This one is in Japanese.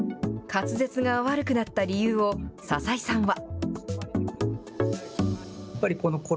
滑舌が悪くなった理由を、笹井さんは。